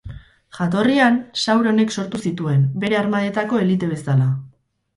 Jatorrian, Sauronek sortu zituen, bere armadetako elite bezala.